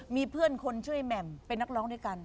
มีเพื่อนคนชื่อแหม่มเป็นนักร้องด้วยกัน